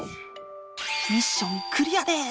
ミッションクリアです！